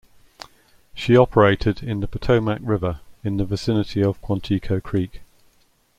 She operated in the Potomac River in the vicinity of Quantico Creek.